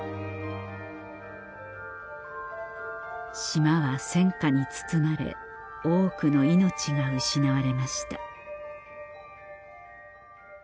島は戦火に包まれ多くの命が失われました